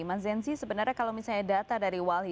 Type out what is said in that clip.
mas zensi sebenarnya kalau misalnya data dari walhi